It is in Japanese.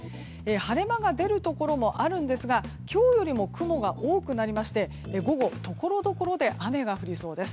晴れ間が出るところもあるんですが今日よりも雲が多くなりまして午後、ところどころ雨が降りそうです。